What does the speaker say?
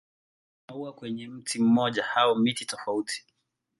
Hubeba maua kwenye mti mmoja au miti tofauti.